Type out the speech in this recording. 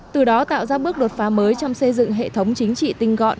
từ đó tạo ra bước đột phá mới trong xây dựng hệ thống chính trị tinh gọn